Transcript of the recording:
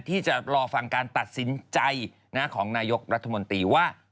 ที่จะรอฟังการตัดสินใจของนายกรัฐมนตรีว่า